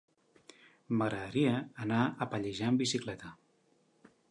M'agradaria anar a Pallejà amb bicicleta.